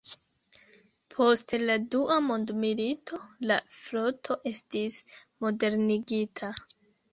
Post la Dua mondmilito, la floto estis modernigita.